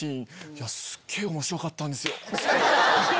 「いやすっげぇ面白かったんですよ」っつって。